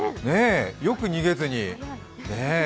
よく逃げずに、ねえ。